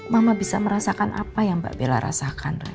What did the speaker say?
mama bisa merasakan apa yang mbak bella rasakan